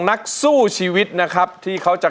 นักสู้ชีวิตนะครับที่เขาจะ